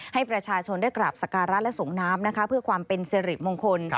ให้ประชาชนได้กรับสการรัฐและส่งน้ำเพื่อความเป็นเสร็จมงคล